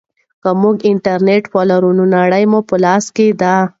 که موږ انټرنیټ ولرو نو نړۍ مو په لاس کې ده.